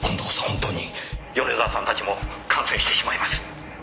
「米沢さんたちも感染してしまいます」